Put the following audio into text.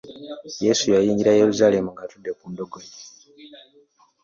Yesu yayingira mu Yerusaalemi ng'atudde ku ndogoyi.